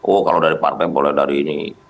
oh kalau dari partai boleh dari ini